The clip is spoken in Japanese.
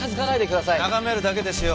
眺めるだけですよ。